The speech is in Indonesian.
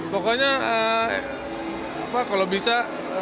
pokoknya kalau bisa